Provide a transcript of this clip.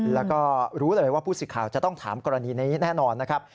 แล้วก็รู้เลยว่าผู้สิทธิ์ข่าวจะต้องถามกรณีนี้แน่นอนนะครับ